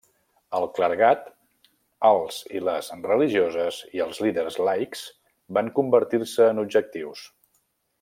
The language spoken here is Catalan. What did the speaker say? El clergat, els i les religioses i els líders laics van convertir-se en objectius.